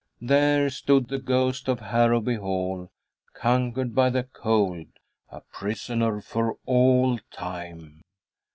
There stood the ghost of Harrowby Hall, conquered by the cold, a prisoner for all time.